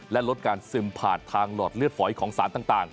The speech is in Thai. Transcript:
และลดการซึมผ่านทางหลอดเลือดฝอยของสารต่าง